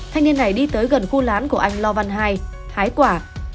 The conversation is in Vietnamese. thanh niên này đi tới gần khu lán của anh lò văn hai hái quả